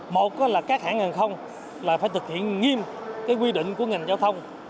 một là các hãng hàng không phải thực hiện nghiêm quy định của ngành giao thông